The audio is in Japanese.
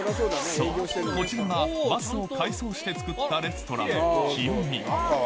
そう、こちらがバスを改装して作ったレストラン、きよみ。